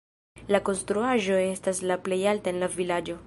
La konstruaĵo estas la plej alta en la vilaĝo.